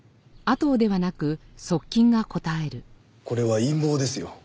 これは陰謀ですよ。